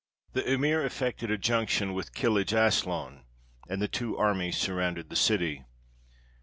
The emir effected a junction with Kilij Aslaun, and the two armies surrounded the city.